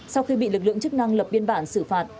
sau khi bị lực lượng chức năng lập biên bản xử phạt